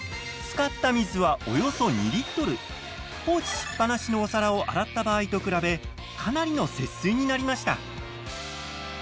放置しっぱなしのお皿を洗った場合と比べかなりの節水になりました。